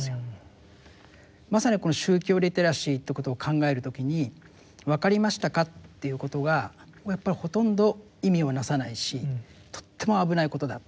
まさにこの宗教リテラシーということを考える時に「わかりましたか？」っていうことが僕はやっぱりほとんど意味を成さないしとっても危ないことだって。